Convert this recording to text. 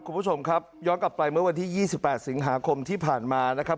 คุณผู้ชมครับย้อนกลับไปเมื่อวันที่๒๘สิงหาคมที่ผ่านมานะครับ